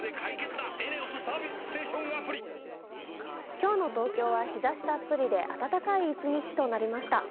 今日の東京は日ざしたっぷりで暖かい一日となりました。